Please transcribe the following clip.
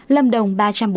lâm đồng ba trăm bốn mươi